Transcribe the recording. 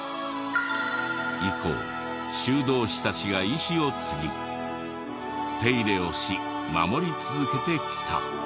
以降修道士たちが遺志を継ぎ手入れをし守り続けてきた。